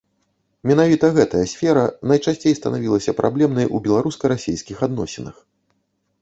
Менавіта гэтая сфера найчасцей станавілася праблемнай у беларуска-расійскіх адносінах.